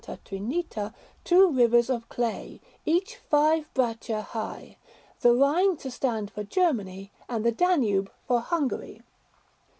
Trinità two Rivers of clay, each five braccia high, the Rhine to stand for Germany and the Danube for Hungary.